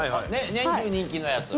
年中人気のやつ？